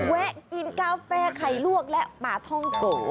แวะกินกาแฟไข่ลวกและป่าท่องโก